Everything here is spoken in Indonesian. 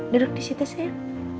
duduk disitu sayang